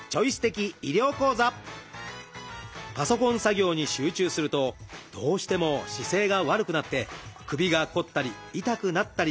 パソコン作業に集中するとどうしても姿勢が悪くなって首が凝ったり痛くなったりしますよね。